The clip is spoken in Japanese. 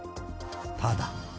ただ。